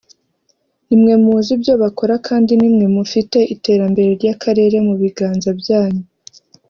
nimwe muzi ibyo bakora kandi nimwe mufite iterambere ry’akarere mu biganza byanyu